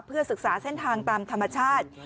เพื่อศึกษาแส้นทางตามธรรมชาติ